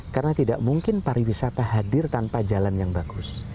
karena tidak mungkin pariwisata hadir tanpa jalan yang bagus